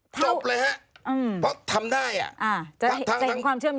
จบเลยหาก็ทำได้อะ